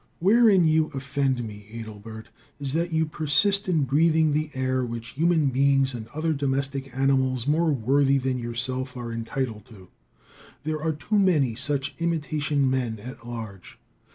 Wherein you offend me, Adelbert, is that you persist in breathing the air which human beings and other domestic animals more worthy than yourself are entitled to. There are too many such imitation men at large.